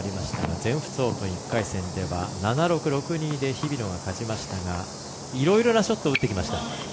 全仏オープン１回戦では７−６、６−２で日比野が勝ちましたがいろいろなショットを打ちました。